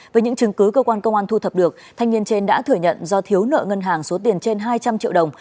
với những chứng cứ cơ quan công an thu thập được thanh niên trên đã thừa nhận do thiếu nợ ngân hàng số tiền trên hai trăm linh triệu đồng